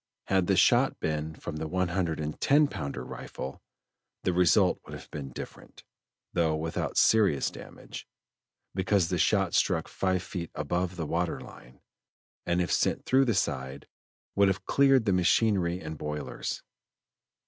Had the shot been from the one hundred and ten pounder rifle, the result would have been different, though without serious damage, because the shot struck five feet above the water line, and if sent through the side would have cleared the machinery and boilers.